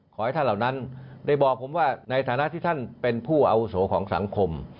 ขอให้ท่านเหล่านั้นได้บอกผมว่าในฐานะที่ท่านเป็นผู้อาวุโสของสังคม